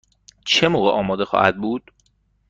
چه موقع آماده خواهد بود؟